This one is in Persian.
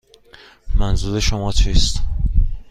منظور شما چیست؟